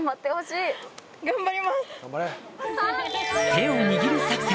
手を握る作戦